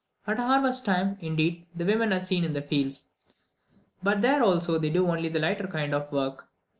At harvest time, indeed, the women are seen in the fields, but there also they only do the lighter kind of work.